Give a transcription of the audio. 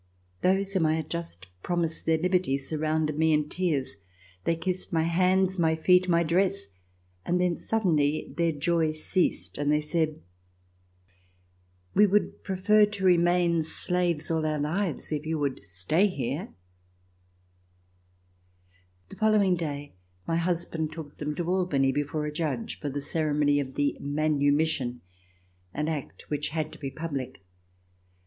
Those whom I had just promised their liberty surrounded me In tears. They kissed my hands, my feet, my dress, and then suddenly their joy ceased and they said: "We would prefer to remain slaves all our lives, if you would stay here." RECOLLECTIONS OF THE REVOLUTION The following day my husband took them to Al bany before a judge, for the ceremony of the manu mission, an act which had to be public.